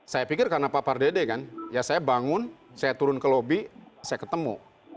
saya pikir karena pak pardede kan ya saya bangun saya turun ke lobi saya ketemu